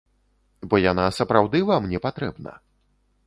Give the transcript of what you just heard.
Бо яна сапраўды вам непатрэбна.